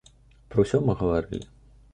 Пра ўсё мы гаварылі.